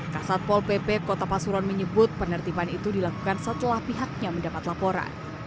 kasat pol pp kota pasuruan menyebut penertimaan itu dilakukan setelah pihaknya mendapat laporan